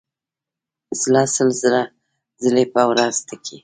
زړه سل زره ځلې په ورځ ټکي.